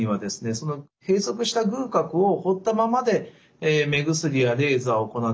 その閉塞した隅角を放ったままで目薬やレーザーを行ってもですね